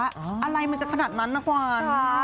อะไรมันจะขนาดนั้นนะกวาน